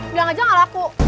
bilang aja gak laku